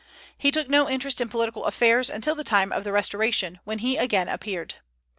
He took no interest in political affairs until the time of the Restoration, when he again appeared.